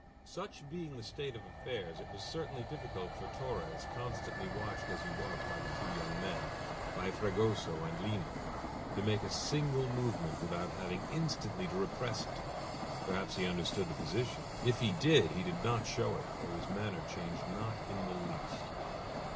Such being the state of affairs it was certainly difficult for Torres, constantly watched as he was by the two young men, by Fragoso and Lina, to make a single movement without having instantly to repress it. Perhaps he understood the position. If he did, he did not show it, for his manner changed not in the least.